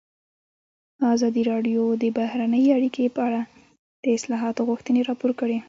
ازادي راډیو د بهرنۍ اړیکې په اړه د اصلاحاتو غوښتنې راپور کړې.